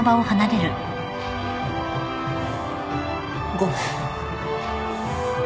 ごめん。